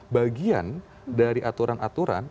bagian dari aturan aturan